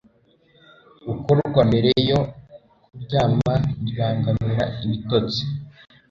gukorwa mbere yo kuryama ribangamira ibitotsi